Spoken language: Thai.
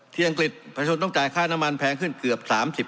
อังกฤษประชาชนต้องจ่ายค่าน้ำมันแพงขึ้นเกือบ๓๐